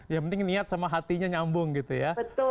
yang penting niat sama hatinya nyambung gitu ya